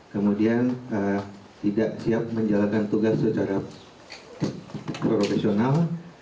kemudian tidak siap menjalankan tugas secara profesional